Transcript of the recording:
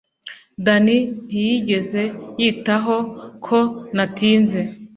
danny ntiyigeze yitaho ko natinze